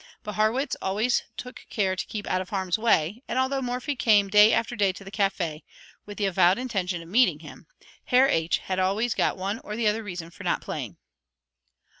But Harrwitz always took care to keep out of harm's way, and although Morphy came day after day to the café, with the avowed intention of meeting him, Herr H. had always got one or the other reason for not playing.